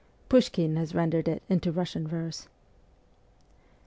Pushkin has rendered it into Russian verse.